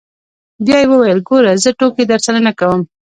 بيا يې وويل ګوره زه ټوکې درسره نه کوم.